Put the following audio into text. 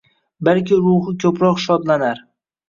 Balki ruhi koʼproq shodlanar!